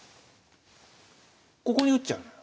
ここに打っちゃうのよ。